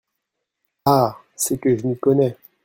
Ah ! c’est que je m’y connais !…